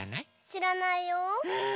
しらないよ。え？